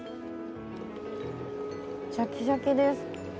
シャキシャキです。